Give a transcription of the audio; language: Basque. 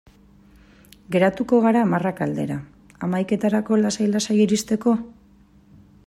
Geratuko gara hamarrak aldera, hamaiketarako lasai-lasai iristeko?